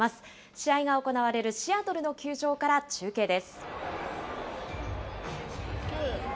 試合が行われるシアトルの球場から中継です。